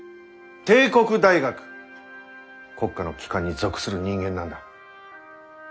帝国大学国家の機関に属する人間なんだ。